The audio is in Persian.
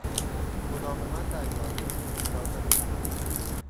مداومت در یادگیری لازم است